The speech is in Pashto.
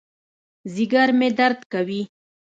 ځېګر مې درد کوي